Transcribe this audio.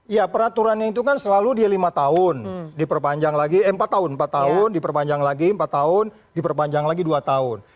ya peraturannya itu kan selalu dia lima tahun diperpanjang lagi eh empat tahun empat tahun diperpanjang lagi empat tahun diperpanjang lagi dua tahun